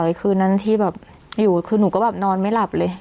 คืนนั้นที่แบบอยู่คือหนูก็แบบนอนไม่หลับเลย